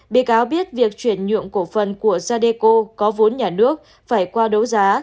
bị cáo biết việc chuyển nhượng cổ phần của sadeco có vốn nhà nước phải qua đấu giá